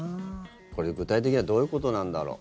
これ、具体的にはどういうことなんだろう。